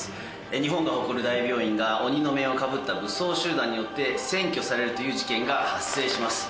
日本が誇る大病院が、鬼の面をかぶった武装集団によって占拠されるという事件が発生します。